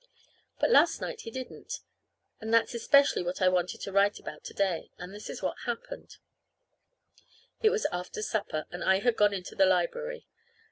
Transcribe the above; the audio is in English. But last night he didn't. And that's especially what I wanted to write about to day. And this is the way it happened. It was after supper, and I had gone into the library.